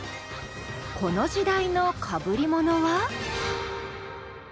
この時代のかぶり物は？